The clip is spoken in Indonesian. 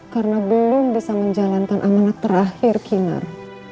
karena belum bisa menjalankan amanat terakhir kinar